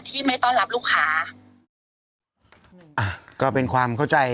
ไม่ต้อนรับลูกค้าอ่ะก็เป็นความเข้าใจ